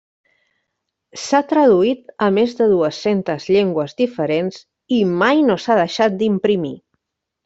S'ha traduït a més de dues-centes llengües diferents, i mai no s'ha deixat d'imprimir.